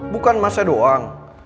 bukan masnya doang